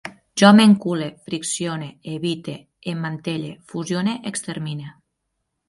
Jo m'encule, friccione, evite, emmantelle, fusione, extermine